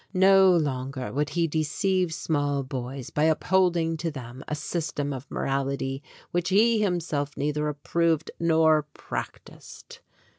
No longer would he deceive small boys by upholding to them a system of morality which he himself neither approved nor practised.